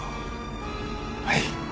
はい。